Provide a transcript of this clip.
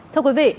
thưa quý vị